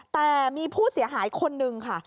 แต่มีผู้เสียหายคนนึงค่ะ